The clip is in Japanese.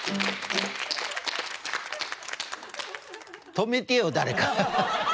止めてよ誰か。